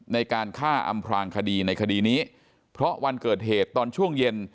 ในการฆ่าอำพลางคดีในคดีนี้เพราะวันเกิดเหตุตอนช่วงเย็น